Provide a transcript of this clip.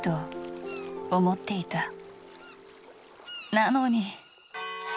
なのに。